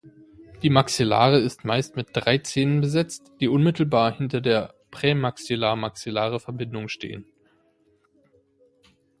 Die Maxillare ist meist mit drei Zähnen besetzt, die unmittelbar hinter der Prämaxillar-Maxillare-Verbindung stehen.